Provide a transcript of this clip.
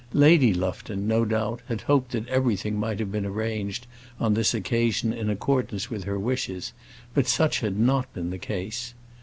Lady Lufton, no doubt, had hoped that everything might have been arranged on this occasion in accordance with her wishes, but such had not been the case.